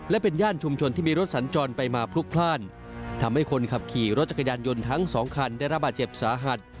และเป็นย่านชุมชนที่มีรถสัญจรไปมาพลุกพลาดทำให้คนขับขี่รถจักรยานยนต์ทั้งสองคันได้รับบาดเจ็บสาหัส